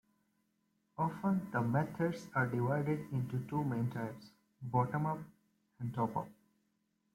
Often the methods are divided into two main types "Bottom Up" and "Top Down.